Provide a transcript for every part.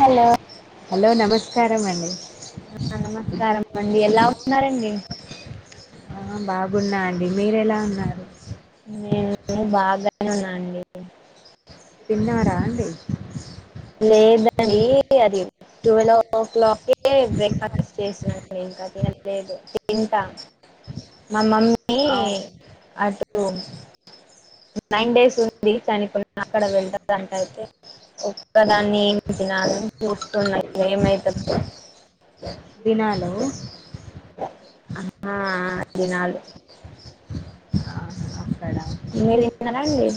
hello hello నమస్కారం అండి ఆ నమస్కారం అండి ఎలా ఉన్నారండి ఆ బాగున్నా అండి మీరు ఎలా ఉన్నారు నేను బాగానే ఉన్నా అండి తిన్నారా అండి లేదండి అది టువేలో ఓ క్లాక్ కే బ్రేక్ఫాస్ట్ చేసిన ఇంకా తినట్లేదు తింటా మా మమ్మీ నీ అవును అందులో నైన్ డేస్ ఉంది చనిపో అక్కడ వెళ్లొద్దంటారు అయితే క్కదాన్ని ఏమి తినాలని చూస్తున్న ఏమైతుందొ ఉ నాలో ఆ ఆ తినాలి ఆహా మీరు తిన్నారండి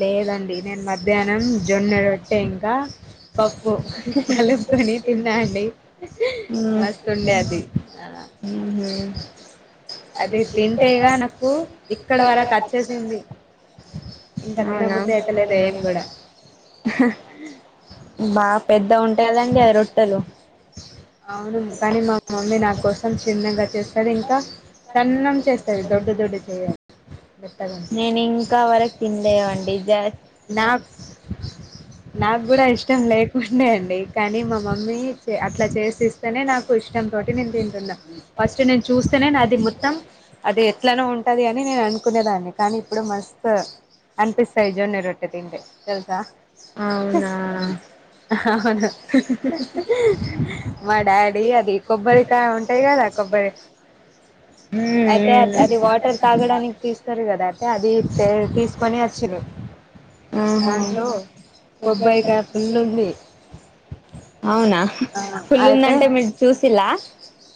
లేదండి నేను మధ్యాహ్నం జొన్నరోట్టే ఇంకా పప్పు కలుపుకొని తిన్నా అండి మస్తు ఉండే అది ఉహ అదే తింటేయిగా నాకు ఇక్కడ వారకు వచ్చేసింది ఇంకా తినబుద్ధి అయితలేదు ఏం కూడా హాహా బాగా పెద్ద ఉంటాయి కదండి ఆ రొట్టెలు అవును కానీ మా మమ్మీ నా కోసం చిన్నగా చేస్తాది ఇంకా సన్నం చేస్తది దొడ్డు దొడ్డు చేయదు మెత్తగా నేను ఇంకా వరకు తినలేవండి జాస్ నాకు నాకు కూడా ఇష్టం లేక్ ఉండే అండి కానీ మా మమ్మీ అట్లా చేసిస్ ఇస్తేనే నాకు ఇష్టం తోటి నేను తింటున్నా ఫస్ట్ నేను చూస్తేనే నాది మొత్తం అది ఎట్లానో ఉంటుది అని నేను అను కునేదాన్ని కానీ ఇప్పుడు మస్త్ అనిపిస్తాయి జొన్న రొట్టె తింటే తెలుసా అవునా అవును మా డాడీ అది కొబ్బరికాయ ఉంటాయి కదా కొబ్బరి అయితే అది వాటర్ తాగడానికి తీస్తారు కదా అయితే అది తీసుకొని వచ్చి ఆహా కొ బైట పిల్లుంది అవునా ఆ ఫుల్ అయితే ఉందంటే మీరు చూసిలా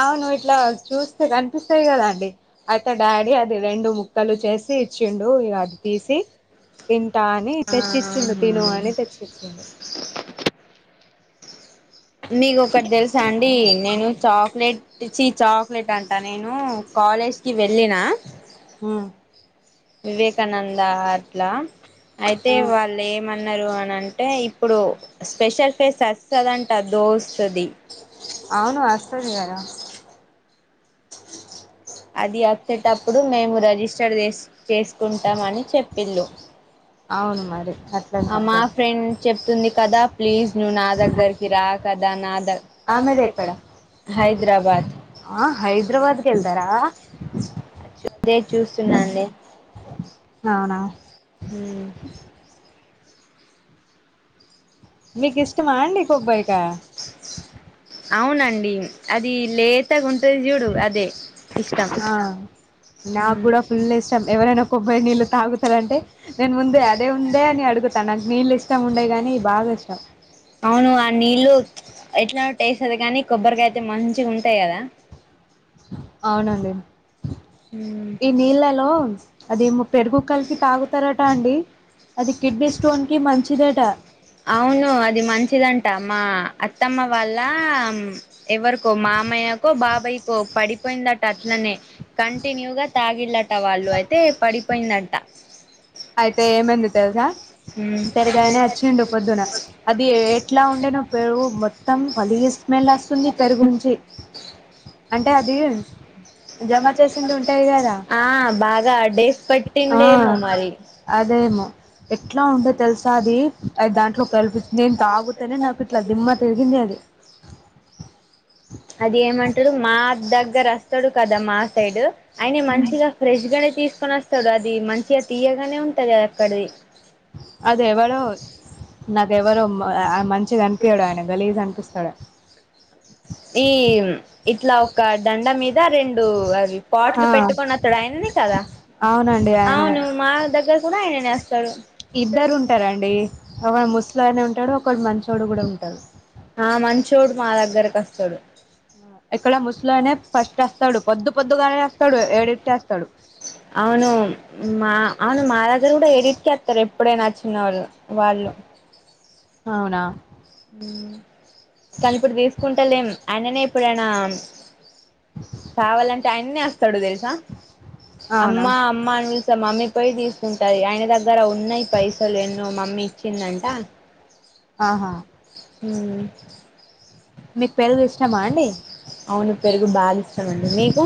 అవ్వును ఇట్లా చూస్తే కనిపిస్తాయ్కదాండి అయితే డాడీ అది రెండు ముక్కలు చేసి ఇచ్చిండు ఇగా అది తీసి తింటా అని తెచ్చిచ్చిండు తిను అని తెచ్చిచ్చిండు మీకోకట్ తెలుసా అండి నేను చాక్లెట్ చి చి చాక్లెట్ అంట నేను కాలేజ్కి వెళ్ళిన ఆ వివేకానంద అట్లా అయితే వాళ్ళు ఏమన్నారు అనంటే ఇప్పుడు స్పెషల్ ఫేస్ ఆస్తదంట దోస్తుంది అవును వస్తుస్తది గద అది వచ్చేటప్పుడు మేము రిజిస్టర్ చేస్ చేసుకుంటాం అని చెప్పిల్ళు ఔను మరి అట్లనే మా ఉంటది ఫ్రెండ్ చెప్తుంది కదా ప్లీజ్ నువ్వు నా దగ్గరికి రా కదా నా ద ఆమెదేకడా హైదరాబాద్ ఆ హైదరాబాద్ గెల్దారా అదే చూస్తున్నాండి అవునా హ మీకు ఇష్టమా అండి కొబ్బరికాయ అవునండి అది లే తాగా ఉంటది చూడు అదే ఇష్టం ఆ నాకు కూడా ఫుల్ ఇష్టం ఎవరైనా కొబ్బై నీళ్ళు తాగుతారంటే నేను ముందే అదే ఉందే అని అడుగుత త నకు నీళ్ళు ఇష్టం ఉండదు గానీ బాగిష్టం అవును ఆ నీళ్ళు ఎట్లా టేస్ది కానీ కొబ్బరికాయ అయితే మంచిగా ఉంటాయి కదా అవునండి మ్ ఈ నీళ్ళలో అదేమో పెరుగుకల్పి తాగుతారటా అండి అది కిడ్నీ స్టోన్కి మంచిదాట అవును అది మంచిదంట మా అత్తమ్మ వాళ్ళ ఎవరికో మామయ్యకో బాబాయ్యకో పడిపోయిందట్టు అట్లనే కంటిన్యూగా తాగిళ్లట వాళ్ళు అయితే పడిపోయిందట అయితే ఏమైందో తెల్సా పెరుగయన వచ్చిండి పొద్దున అది ఎట్లా ఉండేనో పెరుగు మొత్తం గలీజ్ స్మెల్ వస్తుంది పెరుగునించి అంటే అది జమ చేసింది ఉంటాయి కదా ఆ బాగా డేస్ ఆ పట్టిండేమోమ్మరి అదేమో ఎట్లా ఉండే తెల్సా అది అది దాంట్లో కల్పి నేను తాగుతేనే నాకు ఇట్లా దిమ్మత్ పెరిగింది అది అది ఏమంటాడు మా దగ్గర వస్తాడు కదా మా సైడ్ అయినే మంచిగా ఫ్రెష్గానే తీసుకొని వస్తాడు అది మంచిగా తీయగానే ఉంటుది అ అక్కడిది అది ఎవరో నాకు ఎవరో మంచిగా అన్పియడు ఆయన గలీజ్ అనిపిస్తడు సన ఈ ఇట్లా ఒక దండ మీద రెండు అది ఆ పాట్లు పెట్టుకుని వత్తాడు ఆయిననే కదా అవునండి ఆయననే అవును మా దగ్గర కూడా ఆయననేేస్తాడు ఒక ముసలైన ఉంటాడు ఒకడు మంచోడు కూడా ఉంటాడు ఆ మంచిచోడు మా దగ్గరకి ఆ స్తాడు ఇక్కడ ముసలైన ఫస్ట్ ఆస్తాడు పొద్దు పొద్దుగానే ఆస్తాడు ఏడేటికిస్తాడు అవును మా అవును నా దగ్గర కూడా ఎడిట్క ఆస్తారు ఎప్పుడైనా అచ్చినోళ్ళు వాళ్ళు అవునా ఉ కానీ ఇప్పుడు తీసుకుంటలేం అయననే ఇప్పుడైనా కావాలంటే ఆయన్ని ఆస్తాడు తెలుసా అమ్మ అవునా అమ్మ అని మమ్మీ పోయి తీసుకుంటాది ఆయన దగ్గర ఉన్నాయి పైసలు ఎన్నో మమ్మీ ఇచ్చిందంట ఆహా ఉ మీకు పెరుగు ఇష్టమా అండి అవును పెరుగు భాగిస్తదండి మీీకు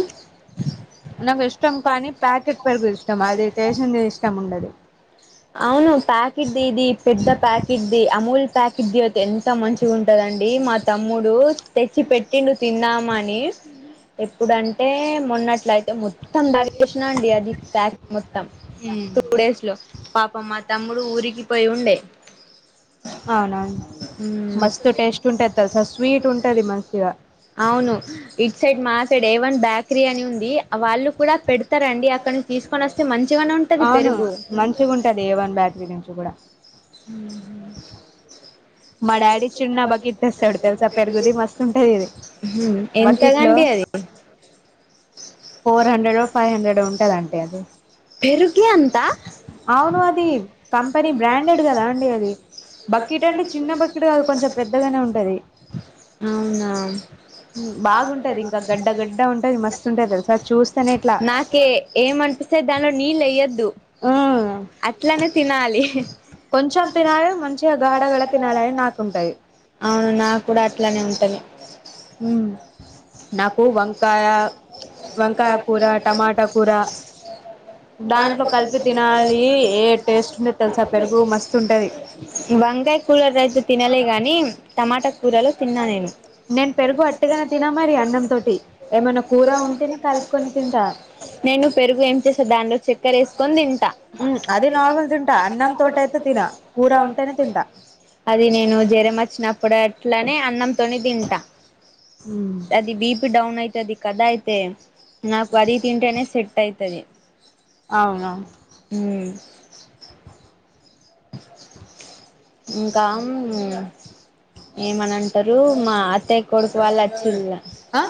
నాకు ఇష్టం కానీ ప్యాకెట్ పరుగు ఇష్టం అది చేసింది ఇష్టం ఉండది అవును ప్యాకెట్ది ఇది పెద్ద ప్యాకెట్ పకెట్దిి అమూల్ ప్యాకెట్ ది అతే ఎంత మంచిగా ఉంటదండి మా తమ్ముడు తెచ్చి పెట్టిండు తిందామని ఎప్పుడంటే మొన్నట్లయితే మో మొత్తం [inaudible] చేసినా అండి అది ప్యాక్ మొత్తం టూ డేస్ లో పాపమ్మ తమ్ముడు ఊరికి పోయి ఉండే మ్మ్ మస్త్ టేస్ట్ ఉంటా తెల్సా స్వీట్ ఉంటాది మంచిగా అవును ఇట్ సైడ్ మా సైడ్ ఏ వన్ బ్యాకరీ అని ఉంది వాళ్ళు కూడా పెడతారండి అక్కడ తీసుకొని వస్తే మంచిగానే ఉ అవును మంచిగా ఉంటాది ఏ వన్ బ్యాటరీ నుంచి గూడా ఉ హు మా డాడీ చిన్న బకెట్ తెస్తాడు తెలుసా పెరుగుది మస్తు ఉంటది ఇది హు బకెట్ లో ఎంతగాండి అది ఫోర్ హండ్రెడ్డో ఫై హండ్రెడ్డో ఉంటాదండి అది పెరుగే అంతా అవును అది కంపెనీ బ్రాండెడ్ కదా అండి అది బక్కెట్ అంటే చిన్న బకెట్ కాదు కొంచెం పెద్దగానే ఉంటాది అవునా బాగుంటది ఇంకా గడ్డ గడ్డ ఉంటది మస్తు ఉంటది తెలుసా చూస్తేనే ఇట్లా నాకే ఏమనిపిస్తే దానిలో నీళ్ళు ఎయ్యొద్దు ఆ అట్లానే తినాలి కొంచం తిన్నలే మంచిగాడ గాడ అవును నా కూడా అట్లానే ఉంటాది ఉ నాకు వంకాయ వంకాయ కూర టమాటా కూర దాంట్లో కూర కలిపి టమాట తినాలి ఏ టేస్ట్ ఉంటది తెలుసా [inaudible] పెరుగు మస్తు ఉంటది వంకాయి కూలర్ రైస్ తిన్నలే కానీ టమాటా కూరలు తిన్నా నేను నేను పెరుగు అట్టిగానే తిన్న మరి అన్నం తోటి ఏమైనా కూర ఉంటేనే కలుపుకొని తింటా నేను పెరుగు ఏం చేసా దాంలో చక్కర ఎసుకొని తింటా ఉ అదే నార్మల్ తింటా అన్నం తోట అయితే తిన కూూరా ఉంటానే తింటా అది నేను జ్రం ఆచ్చినప్పుడు అట్లనే అన్నంతోనీ తింటా ఉమ్ అది బీపి డౌన్ అయితాది కదా అయితే నాకు అది తింటేనే సెట్ అయితది అవునా ఉ ఇంకా ఏమనంటరు మా అత్తయ్య కొడుకు వాళ్ళు వచ్చిరిగ ఆ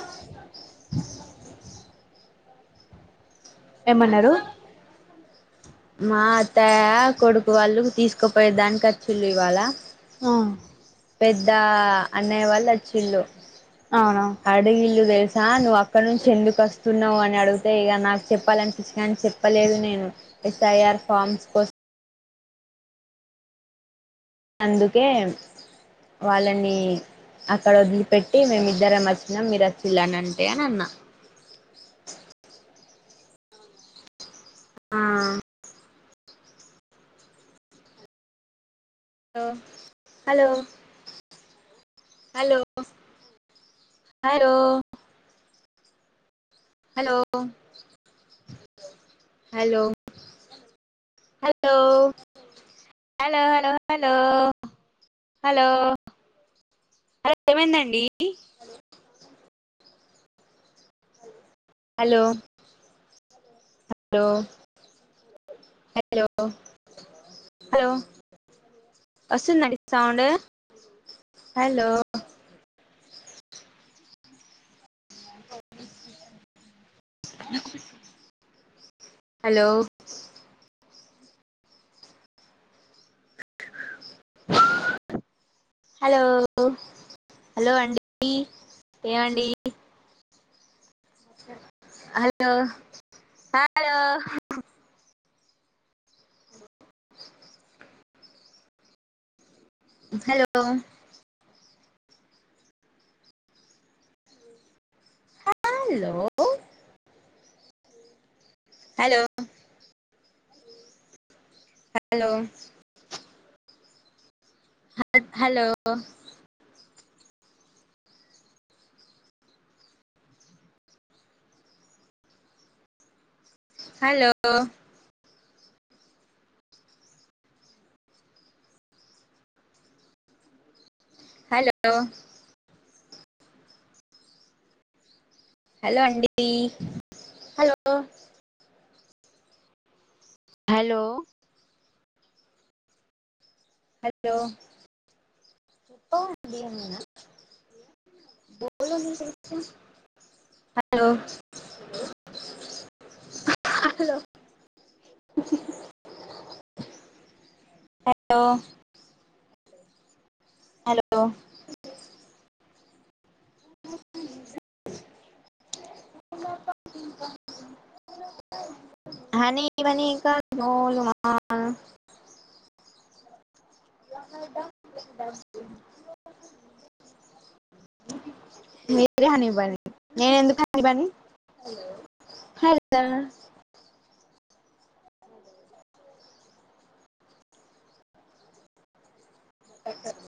ఏమన్నరు మా అత్తయ కొడుకు వాళ్ళు తీసుకుపోయే దాని కొచ్చిరు ఇయాళ ఆ పెద్ద అన్నయ్య వాళ్ళు ఒచ్చిళ్ళు అవునా అడుగిల్లు తెలుసా నువ్వు అక్కడ నుంచి ఎందుకు వస్తున్నవ్ అని అడిగితే ఇక నాకు చెప్పాలనిపిచ్చగాని చె చెప్పలేదు నేను ఎస్ఐఆర్ ఫామ్స్ కోసం అందుకే వాళ్ళని అక్కడ వదిలిపెట్టి మేమి ఇద్దరేం వచ్చినాం మీరు వచ్చిళ్ళని అంటే అని అన్నా ఆ hello hello hello hello hello hello hello hello hello hello hello hello అరే ఏమైందండి హలో హలో హలో హలో వస్తుందాండి sound hello hello hello hello అండి ఏమండి hello hello hello hello hello hello హ హలో హలో హలో హలో అండి hello hello hello చెప్ప అండి అనా బోలో హలో హలో హలో హలో అ హానీ ఇవన్ని ఇంకా నోలో బావుందా డమా డం [inaudible] మీరే హని పని నేను ఎందుకు హని పని హలో ఓకే